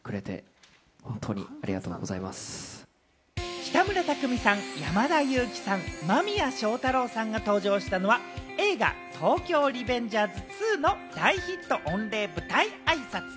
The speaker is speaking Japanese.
北村匠海さん、山田裕貴さん、間宮祥太朗さんが登場したのは映画『東京リベンジャーズ２』の大ヒット御礼舞台あいさつ。